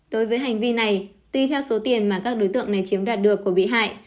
đối với hành vi này tuy theo số tiền mà các đối tượng này chiếm đoạt được của bị hại